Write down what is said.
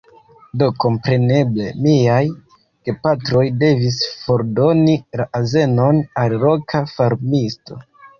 Do, kompreneble, miaj gepatroj devis fordoni la azenon al loka farmisto.